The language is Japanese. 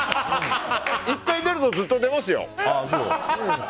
１回、出るとずっと出ますよ。